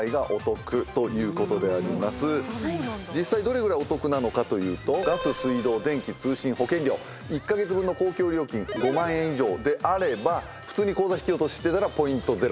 実際どれぐらいお得なのかというとガス水道電気通信保険料１カ月分の公共料金５万円以上であれば普通に口座引き落とししてたらポイントゼロ。